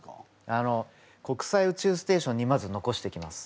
あの国際宇宙ステーションにまず残していきます。